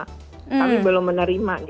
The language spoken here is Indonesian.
kami belum menerima